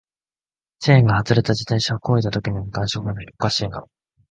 チェーンが外れた自転車を漕いだときのように感触がない、おかしいな